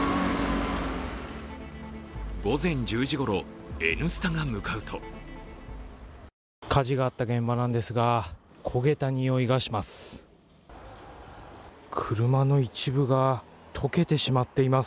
午前１０時ごろ、「Ｎスタ」が向かうと火事があった現場なんですが、焦げた匂いがします。